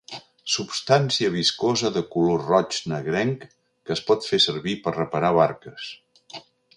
Substància viscosa de color roig negrenc que es pot fer servir per reparar barques.